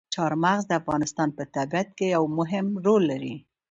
چار مغز د افغانستان په طبیعت کې یو مهم رول لري.